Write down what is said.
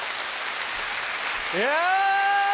いや。